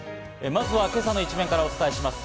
まずは今朝の一面からお伝えします。